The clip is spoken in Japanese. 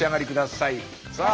さあ。